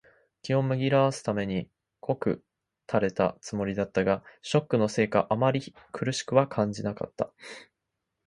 気を紛らわすために濃く淹れたつもりだったが、ショックのせいかあまり苦くは感じなかった。